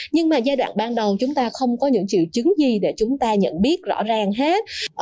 nhưng mà giai đoạn ban đầu chúng ta không có những triệu chứng gì để chúng ta nhận biết rõ ràng hết